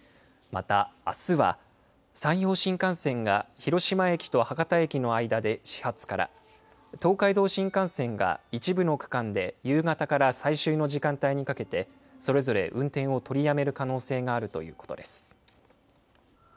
またあすは、山陽新幹線が広島駅と博多駅の間で始発から、東海道新幹線が一部の区間で夕方から最終の時間帯にかけて、それぞれ運転を取りやめる可能性があるということです。